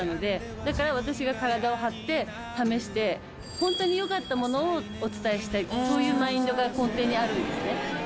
だから私が体を張って試してホントに良かったものをお伝えしたいそういうマインドが根底にあるんですね。